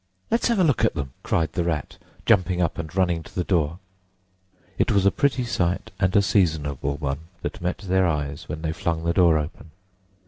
"Let's have a look at them!" cried the Rat, jumping up and running to the door. It was a pretty sight, and a seasonable one, that met their eyes when they flung the door open.